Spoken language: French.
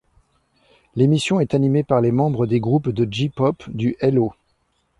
L'émission est animée par les membres des groupes de J-pop du Hello!